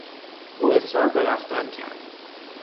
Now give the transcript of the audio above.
او اصرار به رفتن کرد.